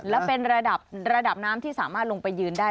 และเป็นระดับระดับน้ำที่สามารถลงไปยืนได้